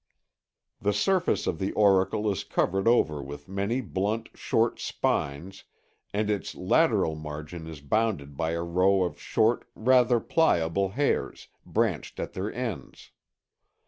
The surface of the auricle is covered over with many blunt, short spines and its lateral margin is bounded by a row of short rather pliable hairs, branched at their ends.